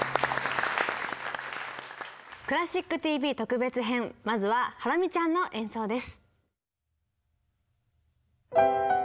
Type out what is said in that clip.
「クラシックＴＶ」特別編まずはハラミちゃんの演奏です。